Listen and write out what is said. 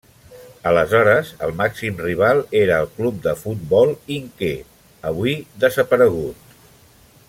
Aleshores el màxim rival era el Club de Futbol Inquer, avui desaparegut.